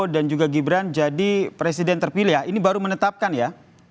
dan juga gibran jadi presiden terpilih ya ini baru menetapkan ya